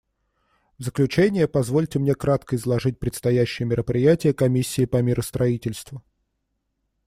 В заключение позвольте мне кратко изложить предстоящие мероприятия Комиссии по миростроительству.